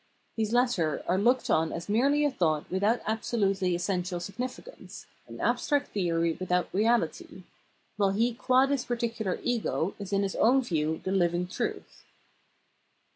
These latter are looked on as merely a thought without absolutely essential signifi cance, an abstract theory without reality ; while he qua this particular ego is in his own view the Hving truth.